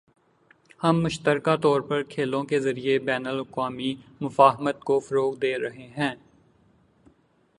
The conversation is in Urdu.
ہم مشترکہ طور پر کھیلوں کے ذریعے بین الاقوامی مفاہمت کو فروغ دے رہے ہیں